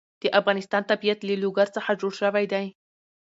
د افغانستان طبیعت له لوگر څخه جوړ شوی دی.